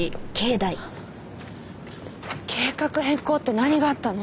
計画変更って何があったの？